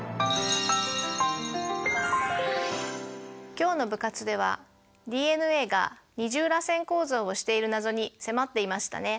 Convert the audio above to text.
今日の部活ではＤＮＡが二重らせん構造をしている謎に迫っていましたね。